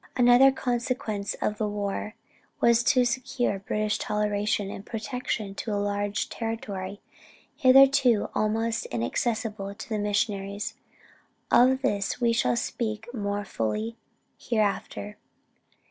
Another consequence of the war, was to secure British toleration and protection to a large territory, hitherto almost inaccessible to the missionaries. Of this we shall speak more fully hereafter.